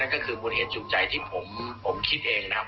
ก็คือมูลเหตุจูงใจที่ผมคิดเองนะครับ